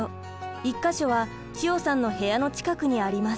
１か所は千代さんの部屋の近くにあります。